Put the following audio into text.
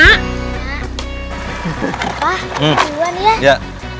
pak ikutin dia